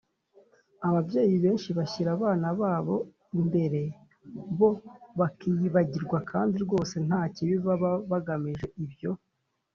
Ababyeyi benshi bashyira abana babo imbere bo bakiyibagirwa kandi rwose nta kibi baba bagamije ibyo